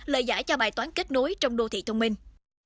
lợi giải cho bài toán kết nối trong đô thị thông minh